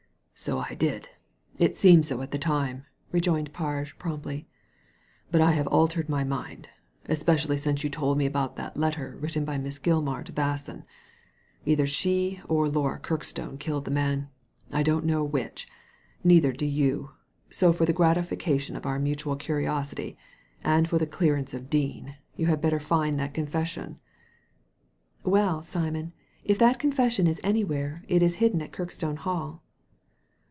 '' So I did ; it seemed so at the time/' rejoined Parge, promptly. " But I have altered my mind ; especially since you told me about that letter written by Miss Gilmar to Basson. Either she or Laura Kirkstone killed the man. I don't know which, neither do you ; so, for the gratification of our mutual curiosity and the clearance of Dean, you had better find that confession." " Well, Simon, if that confession is anywhere, it is hidden at Kirkstone Hall."